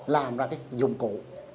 làm ra cái dụng cụ